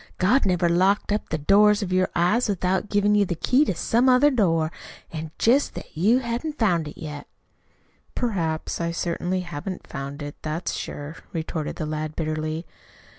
God never locked up the doors of your eyes without givin' you the key to some other door. It's jest that you hain't found it yet." "Perhaps. I certainly haven't found it that's sure," retorted the lad bitterly.